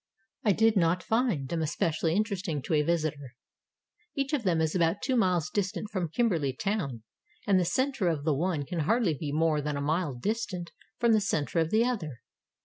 I did not find them especially interesting to a visitor. Each of them is about two miles distant from Kimberley town, and the center of the one can hardly be more than a mile distant from the center of the other.